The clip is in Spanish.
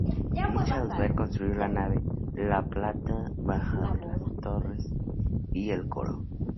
Michael Beer construyó la nave, la planta baja de las torres y el coro.